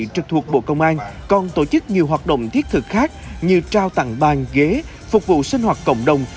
trực thuộc bộ công an còn tổ chức nhiều hoạt động thiết thực khác như trao tặng bàn ghế phục vụ sinh hoạt cộng đồng